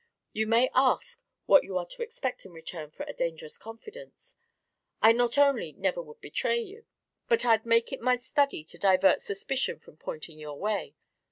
You may ask what you are to expect in return for a dangerous confidence. I not only never would betray you, but I'd make it my study to divert suspicion from pointing your way.